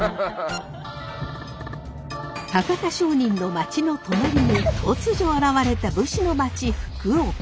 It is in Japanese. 博多商人の町の隣に突如現れた武士の町・福岡。